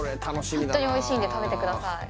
ホントにおいしいんで食べてください